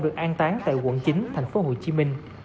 được an tán tại quận chín tp hcm